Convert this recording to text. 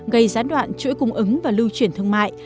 gây gián đoạn chuỗi cung ứng và lưu chuyển thương mại